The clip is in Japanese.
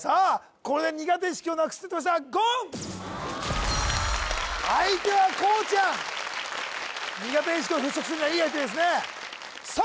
これで苦手意識をなくすと言ってました言相手はこうちゃん苦手意識を払拭するにはいい相手ですねさあ